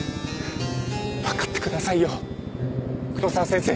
分かってくださいよ黒沢先生。